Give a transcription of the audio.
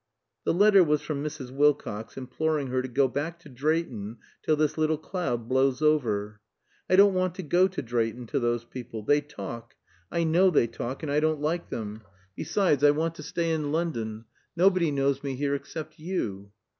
The letter was from Mrs. Wilcox imploring her to go back to Drayton "till this little cloud blows over." "I don't want to go to Drayton, to those people. They talk. I know they talk, and I don't like them. Besides, I want to stay in London. Nobody knows me here except you."